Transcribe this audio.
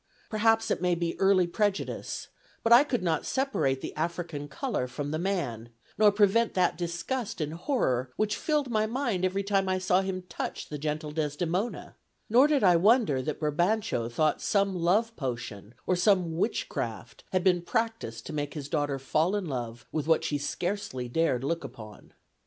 Perhaps it may be early prejudice; but I could not separate the African color from the man, nor prevent that disgust and horror which filled my mind every time I saw him touch the gentle Desdemona; nor did I wonder that Brabantio thought some love potion or some witchcraft had been practised to make his daughter fall in love with what she scarcely dared look upon.